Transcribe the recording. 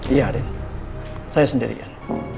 iya arin saya sendirian